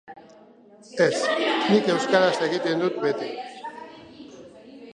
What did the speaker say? Ez, nik euskaraz egiten dut beti.